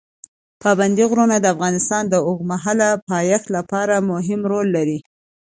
پابندی غرونه د افغانستان د اوږدمهاله پایښت لپاره مهم رول لري.